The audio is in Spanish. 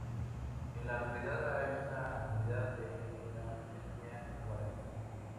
En la localidad hay una comunidad de la etnia guaraní.